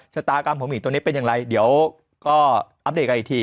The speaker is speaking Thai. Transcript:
ชะตากรรมของหมี่ตัวนี้เป็นอย่างไรเดี๋ยวก็อัปเดตกันอีกที